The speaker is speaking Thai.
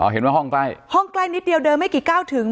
เห็นว่าห้องใกล้ห้องใกล้นิดเดียวเดินไม่กี่ก้าวถึง